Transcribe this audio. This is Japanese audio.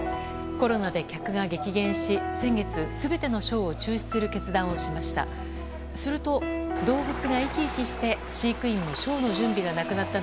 コロナで客が激減し先月、全てのショーを中止する決断をしました。